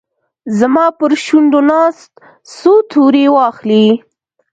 زما پرشونډو ناست، څو توري واخلې